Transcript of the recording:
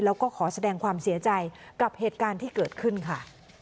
แล้วก็ขอแสดงความเสียใจกับเหตุการณ์ที่เกิดขึ้นค่ะ